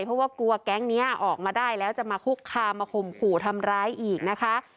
เพราะว่ากลัวแก๊งนี้ออกมาได้แล้วจะมาคุกคามมาข่มขู่ทำร้ายอีกนะคะ